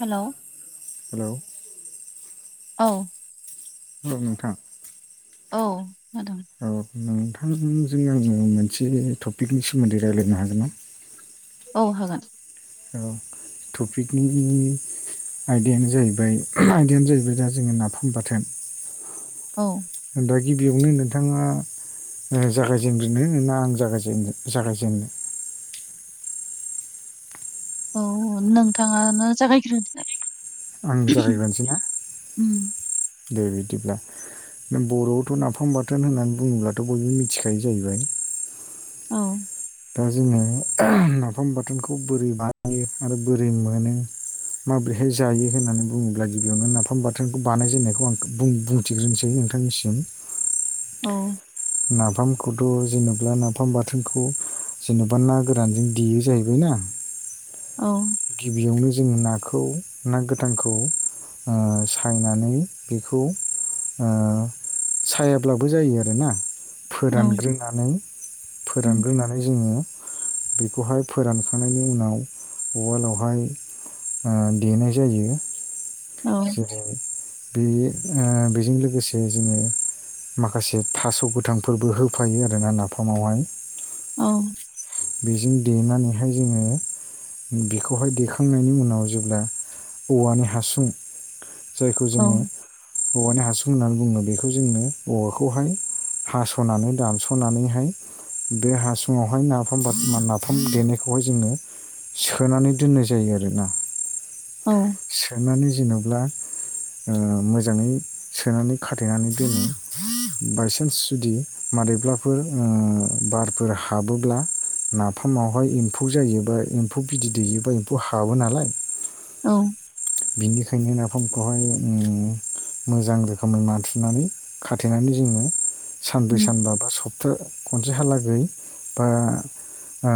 हेल'। Hello औ औ। औ नोंथां। औ। हादों औ नों थांजों आङो मोनसे टपिकनि सोमोन्दै रायलायनो हागोनना? औ हागोन। औ टपिकनि आयदायानो जाहैबाय आयदायानो जाहैबाय दा जोङो नाफाम बाथोन औ। दा गिबियावनो नोंथाङा ओ जागायजेनग्रोनो ना आं जागायजेननो जागायजेननो? औ नोंथाङानो जागायग्रोदो। आंनो जागायग्रोनोसै ना, उम दे बिदिब्ला नों बर'आवथ' नाफाम बाथोन होननानै बुङोब्लाथ' बयबो मिथिखायो जाहैबाय। औ। दा जोङो नाफाम बाथोनखौ बोरै बानायो आरो बोरै मोनो माबोरैहाय जायो होननानै बुङोब्ला गिबियावनो नाफाम बाथोनखौ बानायजेननायखौ आं बुं-बुंथिग्रोनिसै। नोंथांनिसिम औ। नाफामखौथ' जेनेबा नाफाम बाथोनखौ जेनेबा ना गोरानजों देयो जाहैबाय ना? औ। गिबियावनो जोङो नाखौ ना गोथांखौ ओ सायनानै बेखौ ओ सायाब्लाबो जायो आरोना, औ फोरानग्रोनानै फोरानग्रोनानै जोङो बेखौहाय फोरानखांनायनि उनाव उवालावहाय ओ देनाय जायो। औ जेरै बे ओ बेजों लोगोसे जोङो माखासे थास' गोथांफोरबो होफायो आरोना नाफामावहाय औ। बेजों देनानैहाय जोङो बेखौहाय देखांनायनि उनाव जेब्ला औवानि हासुं जायखौ औ जोङो औवानि हासुं होननानै बुङो बेखौ जोंनो औवाखौहाय हास'नानै दानस'नानैहाय बे हासुङावहाय ना नाफाम बा नाफाम देनायखौहाय जोङो सोनानै दोननाय जायो आरोना। सोनानै जेनेब्ला ओ मोजाङै सोनानै खाथेनानै दोनो। बायसान्स जुदि मारैब्लाफोर बारफोर हाबोब्ला नाफामावहाय एम्फौ जायोबा, एम्फौ बिदै दैयोबा, एम्फौ हाबो नालाय औ। बिनिखायनो नाफामखौहाय ओम मोजां रोखोमै नारथुमनानै खाथेनानै जोङो सानब्रै सानबा बा सब था खनसे हालागै ओ ओ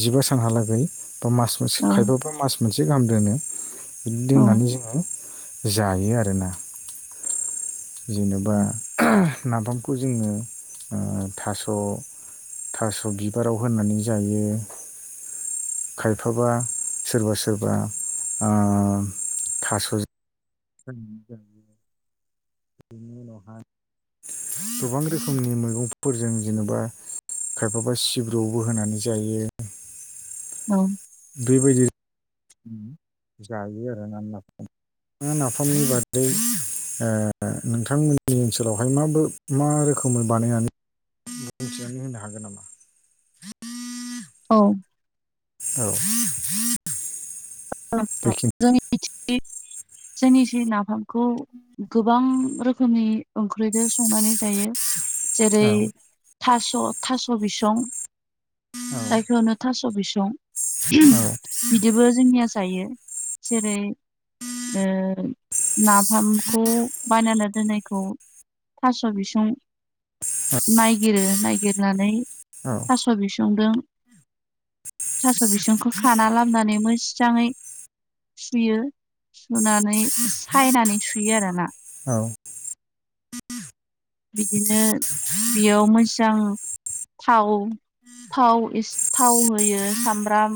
जिबा सानहालागै बा मास मोनसे औ खायफा बा मास मोनसे गाहाम दोनो बिदि दोननानै जोङो जायो आरोना। जेनेबा नाफामखौ जोङो ओ थास' थास' बिबाराव होनानै जायो खायफाबा सोरबा सोरबा ओ थास' [inaudible] बेनि उनावहाय गोबां रोखोमनि मैगंफोरजों जेनेबा खायफाबा सिब्रुबो होनानै जायो औ। बेबायदि जायो आरो [inaudible] नोंथाङा नाफामनि बादै ओ नोंथांमोननि ओनसोलावहाय मा बो मा रोखोमै बानायनानै बुंथिनानै होनो हागोन नामा? औ औ। औ। बेखिनि [inaudible] जोंनि जि नाफामखौ गोबां रो खोमनि ओंख्रिजों संनानै जायो जेरै औ थास' थास' बिसं जायखौ होनो थास' बिसं औ बिदिबो जोंनिया जायो जेरै ओ नाफामखौ बानायना दोननायखौ थास' बिसुं नायगिरो नायगिरनानै औ थास' बिसं दों थास' बिसंखौ खाना लाबोनानै मोजाङै सुयो, सुनानै सायनानै सुयो आरोना। औ बिदिनो बेयाव मोजां थाव थाव एस थाव होयो सामब्राम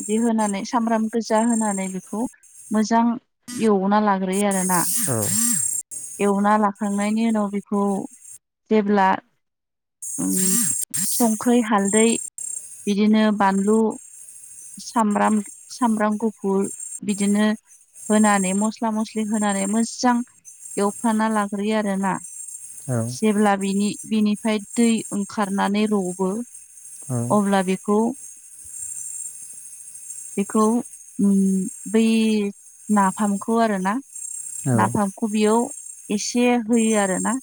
बिदि होनानै सामब्राम गोजा होनानै बेखौ मोजां एवना लाग्रोयो आरो ना? औ। एवना लाखांनायनि उनाव बेखौ जेब्ला ओम संख्रि हालदै बिदिनो बानलु सामब्राम सामब्राम गुफुर बिदिनो होनानै मस्ला मस्लि होनानै मोजां एवफ्राना लाग्रोयो आरोना औ जेब्ला बिनि बिनिफ्राय दै ओंखारनानै रबो अब्ला बेखौ [inaudible] बेखौ उम बै नाफामखौ आरोना। औ नाफामखौ बेयाव एसे होयो आरोना।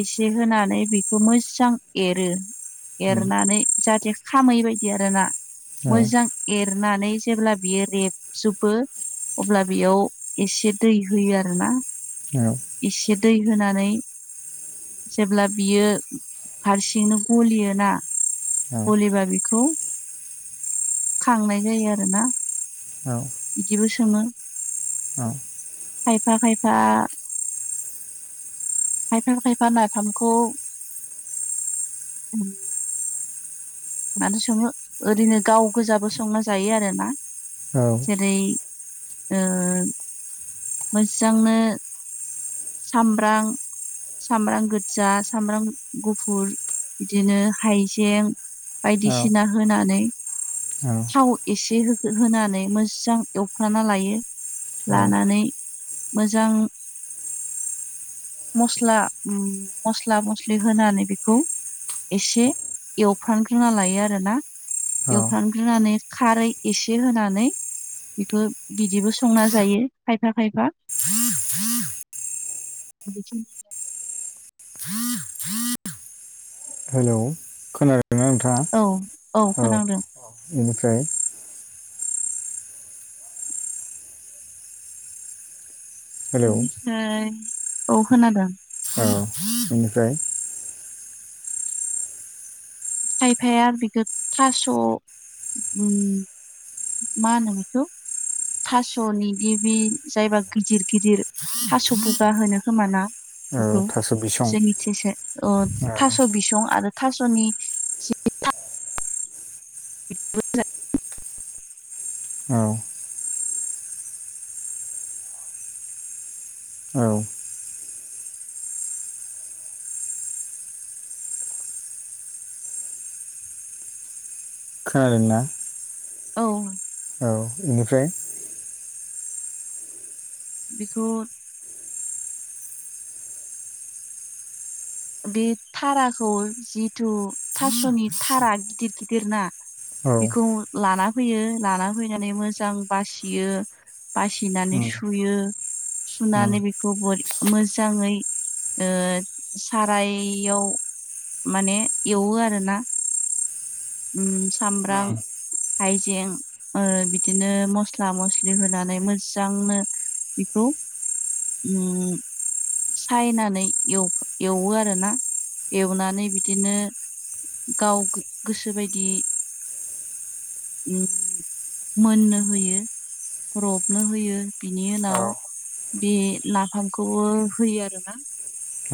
एसे होनानै बेखौ मोजां एरो। एरनानै जाहाथे खामै बदि आरोना औ मोजां एरनानै जेब्ला बियो रेबजुबो। अब्ला बेयाव एसे दै होयो आरोना। औ। से दै होनानै। जेब्ला बियो हारसिंनो गलियोना। गलिबा बिखौ। खांनाय जायो आरोना औ इदिबो सोमो। खायफा-खायफा। खायफा-खायफा नाइफामखौ। [unintelligible] मादो सोङो ओरैनो गाव गोजाबो संना जायो आरोना जेरै। ओ मोसांनो। सामम्रां। सामम्रां गोजा सामम्रां गुफुर बिदिनो हाइजें। बायदिसिना होनानै औ थाव एसे टे होखो होनानै मोजां एवफ्राना लायो लानानै। मोजां। मस्ला ओम मस्ला मस्लि होनानै बेखौ। एसे एवफ्रानग्रोना लायो आरोना। औ एवफ्रानग्रोनानै खारै एसे होनानै। बिखो बिदिबो संना जायो खायफा-खायफा। [inaudible] [unintelligible] हेल'। औ-औ खोनांदों। इनिफ्राय। हेलौ बिफ्राय औ खोनादों। औ बेनिफ्राय। खायफाया बिखो थास' उम। मा होनोबिखौ। थास'नि गिबि जायबा गिदिर-गिदिर थास' बुगा होनो खोमाना। औ बिखौ थास' बिसं जोंनि थेसे अ औ थास' बिसं आरो थास'नि। से [unintelligible] [unintelligible] औ। औ। खोनादोंना। औ। औ इनिफ्राय। बिखौ। बे थाराखौ जिथु थास'नि थारा गिदिर गिदिर ना औ बिखौ लाना फैयो लाना फैनानै मोजां बासियो। बासिनानै उम सुयो उम सुनानै बेखौ बरे मोजाङै ओ साराइयाव माने एवो आरो ना। उ सामब्राम उम हाइजें ओ बिदिनो मस्ला मस्लि होनानै मोजांनो। बेखौ ओम सायनानै एवो आरोना एवनानै बिदिनो गाव गोसो बायदि मोननो होयो। रबनो होयो बिनि औ उनाव बे नाफामखौबो होयो आरोना। औ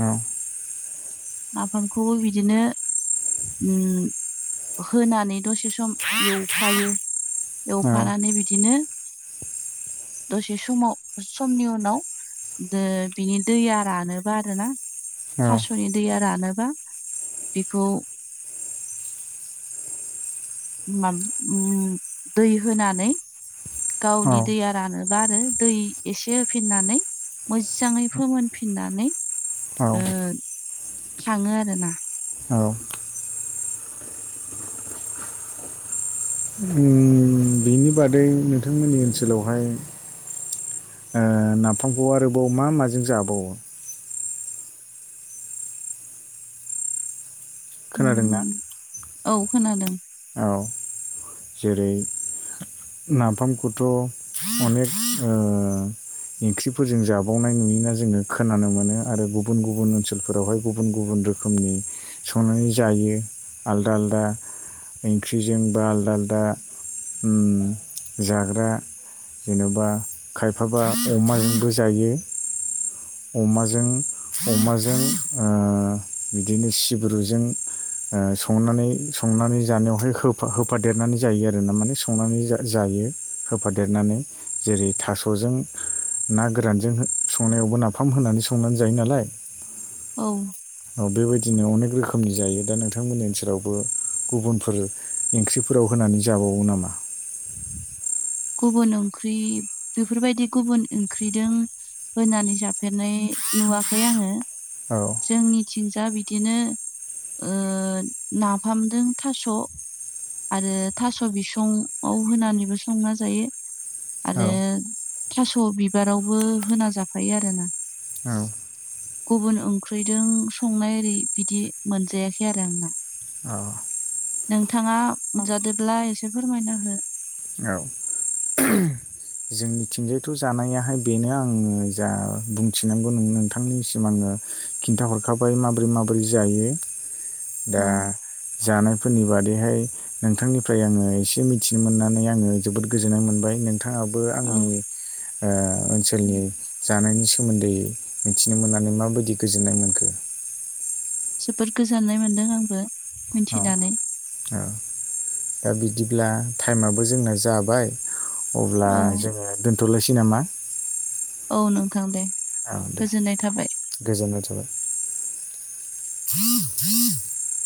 नाफामखौबो बिदिनो होनानै दसे सम एवफायो। एवफानानै बिदिनो दसे समाव समनि उनाव द बिनि दैया रानोबा आरोना। औ थास'नि दैया रानोबा बेखौ मा ऐम दै होनानै गावनि दैया रानोब्ला आरो दै एसे होफिननानै मोजाङै फोमोनफिननानै औ ओ थाङो आरोना। औ बिनि बादै नोंथांमोननि ओनसोलावहाय नाफामखौ आरोबाव मा माजों जाबावो? खोनादों ना? उम औ खोनादों। औ जेरै नाफामखौथ' अनेक ओ ओंख्रिफोरजों जाबावनाय नुयोना जोङो खोनानो मोनो आरो गुबुन गुबुन ओनसोलफोरावहाय गुबुन गुबुन रोखोमनि संनानै जायो आलदा आलदा। ओंख्रिजों बा आलदा आलदा ओम जाग्रा जेन'बा खायफाबा अमाजोंबो जायो। अमाजों अमाजों ओ बिदिनो सिब्रुजों ओ संनानै संनानै जानायावहाय होफादेरनानै जायो आरोना माने संनानै जायो। होफादेरनानै जेरै थास'जों ना गोरानजों संनायावबो नाफाम होनानै संनानै जायो नालाय। औ औ बेबायदिनो अनेक रोखोमनि जायो दा नोंथांमोननि ओनसोलावबो गुबुनफोर ओंख्रिफोराव होनानै जाबावो नामा? गुबुन ओंख्रि बेफोरबायदि गुबुन ओंख्रिजों होनानै जाफेरनाय नुवाखै आङो औ जोंनिथिं। दा बिदिनो ओ नाफामदों थास' आरो थास' बिसं आव होनानैबो संना जायो। औ आरो थास' बिबारावबो होना जाफायो आरोना। औ गुबुन ओंख्रिजों संनाय ओरै बिदि मोनजायाखै आरो आंना। अह नोंथाङा मोनजादोबब्ला एसे फोरमायना हो। औ जोंनिथिंजायथ' जानायाहाय बेनो आङो जा बुंथिनांगौ नोंथांनिसिम आङो खिन्थाहरखाबाय माबोरै माबोरै जायो। औ दा जानायफोरनि बादैहाय नोंथांनिफ्राय आङो एसे मिथिनो मोननानै आङो जोबोद गोजोननाय मोनबाय नोंथां। थाङाबो औ आंनि ओ ओनसोलनि जानायनि सोमोन्दै दै मिथिनो मोननानै माबायदि गोजोन्नाय मोनखो? जोबोद गोजोननाय मोन्दों आंबो। औ मिथिनानै औ। दा बिदिब्ला टाइमाबो जोंना जाबाय। अब्ला औ जोङो दोन थ'लायसै नामा? औ नोंथां दे औ दे गोजोननाय थाबाय गोजोन्नाय थाबाय। [unintelligible]